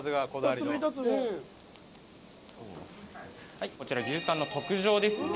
はいこちら牛タンの特上ですね。